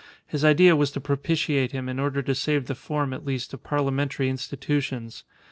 His idea was to propitiate him in order to save the form at least of parliamentary institutions.